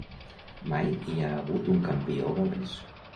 Mai hi ha hagut un campió gal·lès.